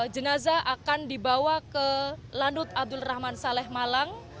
jenazah akan dibawa ke landut abdul rahman saleh malang